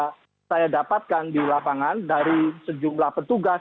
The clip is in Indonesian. ada beberapa informasi yang bisa saya dapatkan di lapangan dari sejumlah petugas